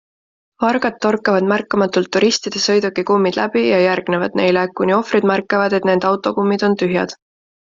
Vargad torkavad märkamatult turistide sõiduki kummid läbi ja järgnevad neile, kuni ohvrid märkavad, et nende autokummid on tühjad.